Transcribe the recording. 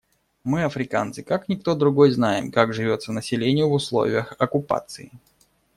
Мы, африканцы, как никто другой знаем, как живется населению в условиях оккупации.